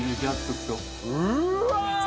うわ！